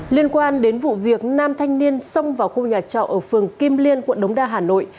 liên quan đến vụ việc năm thanh niên xông vào khu nhà trọ ở phường kim liên quận đống đa hà nội